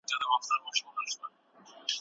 ارمان کاکا په خپله امسا باندې پر ځمکه نښې جوړولې.